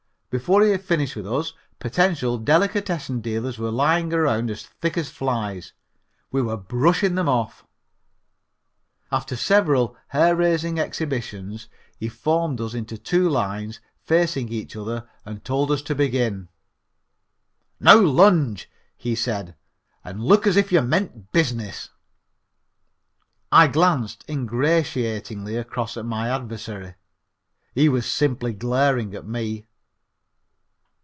Before he had finished with us potential delicatessen dealers were lying around as thick as flies. We were brushing them off. After several hair raising exhibitions he formed us into two lines facing each other and told us to begin. "Now lunge," he said, "and look as if you meant business." I glanced ingratiatingly across at my adversary. He was simply glaring at me.